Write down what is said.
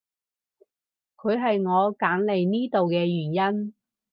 佢係我揀嚟呢度嘅原因